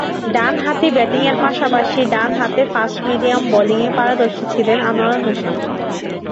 ডানহাতি ব্যাটিংয়ের পাশাপাশি ডানহাতে ফাস্ট-মিডিয়াম বোলিংয়ে পারদর্শী ছিলেন আনোয়ার হোসেন।